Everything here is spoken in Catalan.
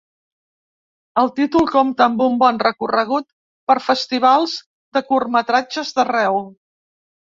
El títol compta amb un bon recorregut per festivals de curtmetratges d’arreu.